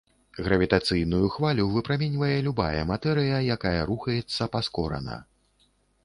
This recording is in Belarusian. Гравітацыйную хвалю выпраменьвае любая матэрыя, якая рухаецца паскорана.